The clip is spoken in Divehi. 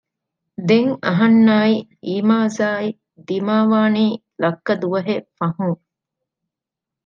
ދެން އަހަންނާއި އިމާޒާއި ދިމާވާނީ ލައްކަ ދުވަހެއް ފަހުން